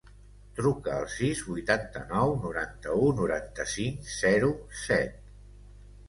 Truca al sis, vuitanta-nou, noranta-u, noranta-cinc, zero, set.